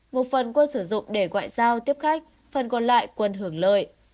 một phần quân sử dụng để ngoại giao tiếp khách phần còn lại quân hưởng lợi